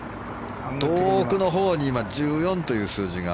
遠くのほうに１４という数字が。